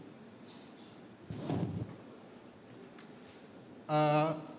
saudara pernah melihat barang bukti ini